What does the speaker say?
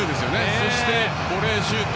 そしてボレーシュート。